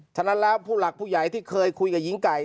ฉะนั้นแล้วผู้หลักผู้ใหญ่ที่เคยคุยกับหญิงไก่